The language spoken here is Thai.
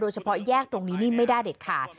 เฉพาะแยกตรงนี้นี่ไม่ได้เด็ดขาด